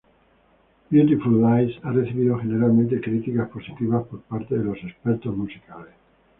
Beautiful Lies ha recibido generalmente críticas positivas por parte de los expertos musicales.